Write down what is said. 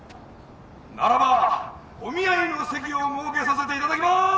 ならばお見合いの席を設けさせていただきます。